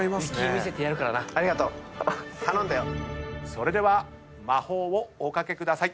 それでは魔法をおかけください。